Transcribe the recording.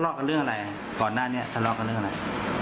กับเรื่องอะไรก่อนหน้านี้ทะเลาะกันเรื่องอะไร